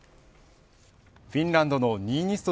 フィンランドのニーニスト